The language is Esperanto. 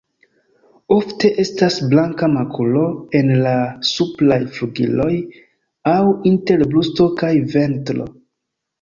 Ofte estas blanka makulo en la supraj flugiloj aŭ inter brusto kaj ventro.